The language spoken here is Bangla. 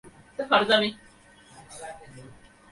পাচারকারীদের হাত অনেক লম্বা অর্থমন্ত্রী এ কথা বলে খালাস হলে চলবে না।